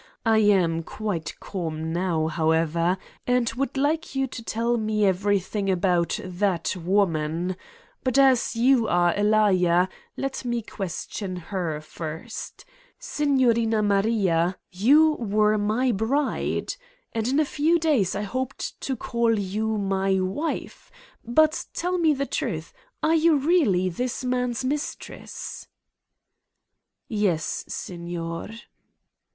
I am quite calm now, however, and would like you to tell me every thing about ... that woman. But as you are a 238 Satan's Diary liar, let me question her first. Signorina Maria, you were my bride? And in a few days I hoped to call you my wife. But tell me the truth: are you really ... this man's mistress ?" "Yes, signer."